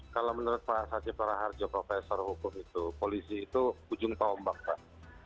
kalau menurut pak satip raharjo profesor hukum itu polisi itu ujung tombak pak